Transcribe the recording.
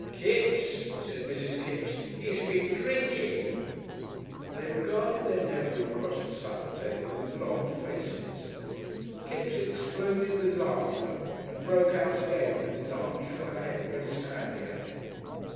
"Kipps," said Mrs. Kipps, "he's been drinking!" They regarded their nephew across the supper table with long faces. Kipps exploded with laughter and broke out again when his Aunt shook her head very sadly at him.